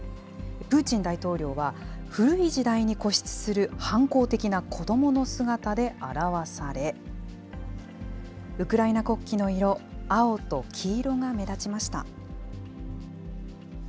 プーチン大統領は、古い時代に固執する反抗的な子どもの姿で表され、ウクライナ国旗の色、青と黄色が目立ちました。